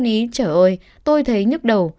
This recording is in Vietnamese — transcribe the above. ý trời ơi tôi thấy nhức đầu